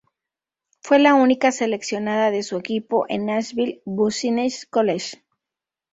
Fue la única seleccionada de su equipo, el Nashville Business College.